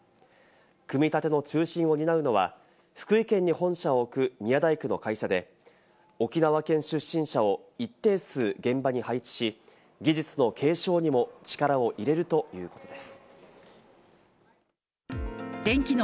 組み立ての中心を担うのは福井県に本社を置く宮大工の会社で、沖縄県出身者を一定数現場に配置し、技術の継承にもここからは気象情報をお伝えします。